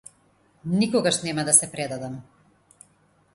Никогаш нема да се предадам.